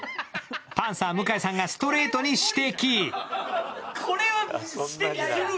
パンサー向井さんがストレートに指摘。